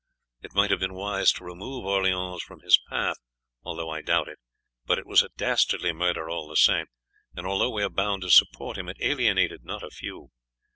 It might have been wise to remove Orleans from his path, although I doubt it, but it was a dastardly murder all the same; and although we are bound to support him, it alienated not a few.